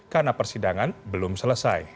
karena persidangan belum selesai